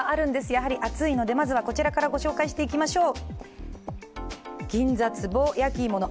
やはり暑いのでまずはこちらからご紹介していきましょう。